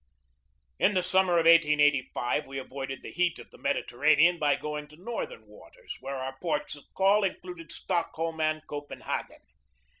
In the summer of 1885 we avoided the heat of the Mediterranean by going to northern waters, where our ports of call included Stockholm and Copenhagen.